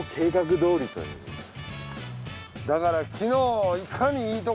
だから昨日。